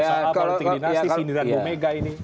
soal politik dinasti sindiran bu mega ini